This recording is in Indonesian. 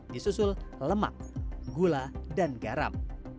disusul lemak gula dan garam